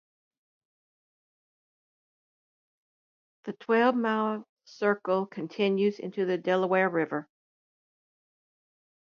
The Twelve-Mile Circle continues into the Delaware River.